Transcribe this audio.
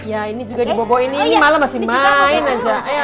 iya ini juga diboboin ini malah masih main aja